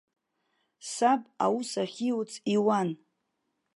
Саб, аус ахьиуц иуан.